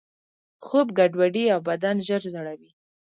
خوب ګډوډوي او بدن ژر زړوي.